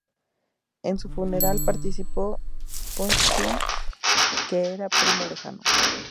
En su funeral participó Pushkin, que era primo lejano.